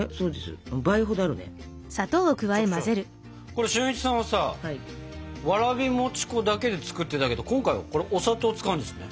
これ俊一さんはさわらび餅粉だけで作ってたけど今回はこれお砂糖を使うんですね。